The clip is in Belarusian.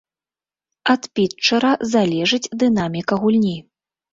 Ад пітчэра залежыць дынаміка гульні.